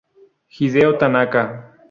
Hideo Tanaka